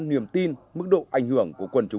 niềm tin mức độ ảnh hưởng của quần chúng